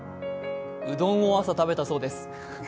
うどんを朝食べたそうです。